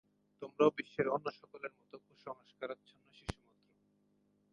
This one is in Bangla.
তোমরাও বিশ্বের অন্য সকলের মত কুসংস্কারাচ্ছন্ন শিশু মাত্র।